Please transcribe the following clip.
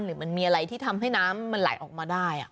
หรือมันมีอะไรที่ทำให้น้ำมันไหลออกมาได้